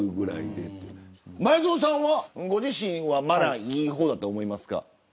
前園さんは、ご自身はマナーがいい方だと思いますか。